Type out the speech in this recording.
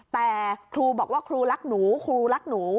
แต่ครูบอกว่าครูรักหนูครูรักหนู